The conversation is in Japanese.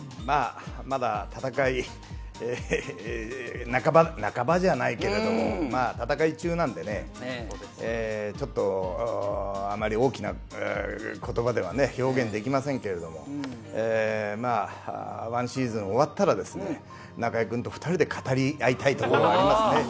まだ戦い半ばじゃないけれども、戦い中なんでね、あまり大きな言葉では表現できませんけれども、ワンシーズン終わったら中居君と２人で語り合いたいところがありますね。